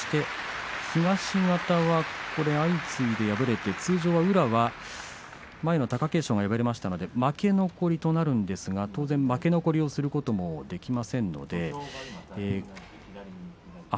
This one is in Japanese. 東方は相次いで敗れて出場は宇良前の貴景勝も敗れましたので負け残りとなるんですが当然負け残りすることもできませんので。